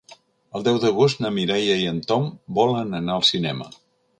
El deu d'agost na Mireia i en Tom volen anar al cinema.